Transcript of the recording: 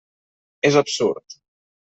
És absurd!